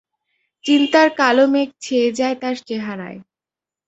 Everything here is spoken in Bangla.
চিন্তার কালো মেঘ ছেয়ে যায় তার চেহারায়।